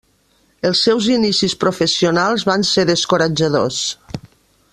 Els seus inicis professionals van ser descoratjadors.